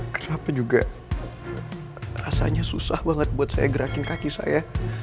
kenapa juga rasanya susah banget buat saya gerakin kaki saya